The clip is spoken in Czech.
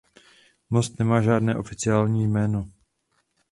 Most nemá žádné oficiální jméno.